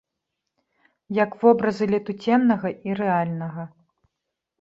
Як вобразы летуценнага і рэальнага.